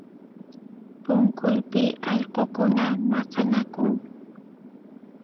Punkuypi allqukuna maqanakun